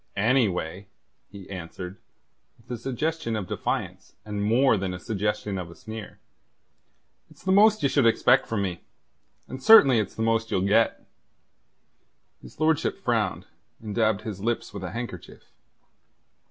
"Anyway," he answered, with a suggestion of defiance and more than a suggestion of a sneer, "it's the most ye should expect from me, and certainly it's the most ye'll get." His lordship frowned, and dabbed his lips with a handkerchief.